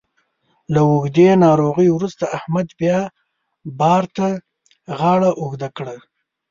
له اوږدې ناروغۍ وروسته احمد بیا بار ته غاړه اوږده کړه.